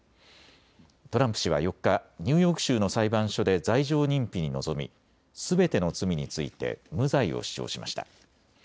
トランプ氏は４日、ニューヨーク州の裁判所で罪状認否に臨みすべての罪について無罪を主張しました。